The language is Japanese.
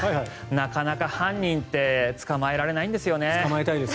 なかなか犯人って捕まえられないんですよね。